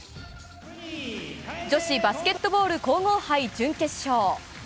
女子バスケットボール皇后杯準決勝。